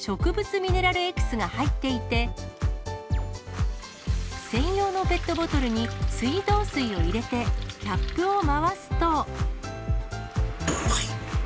ミネラルエキスが入っていて、専用のペットボトルに水道水を入れてキャップを回すと。